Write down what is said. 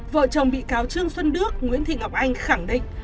vợ chồng bị cáo trương xuân đức nguyễn thị ngọc anh khẳng định